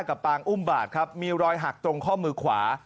ปางอุ้มบาดครับมีรอยหักตรงข้อมือขวา